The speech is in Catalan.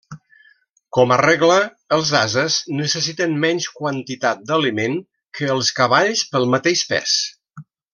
Com a regla els ases necessiten menys quantitat d'aliment que els cavalls pel mateix pes.